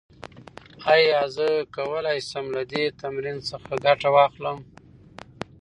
ایا زه کولی شم له دې تمرین څخه ګټه واخلم؟